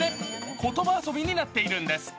言葉遊びになっているんです。